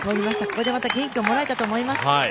ここでまた元気をもらえたと思います。